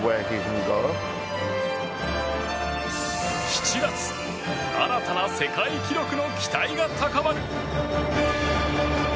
７月新たな世界記録の期待が高まる！